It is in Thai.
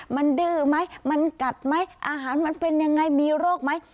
มันดื้อไหมมันกัดไหมอาหารมันเป็นยังไงมีโรคไหม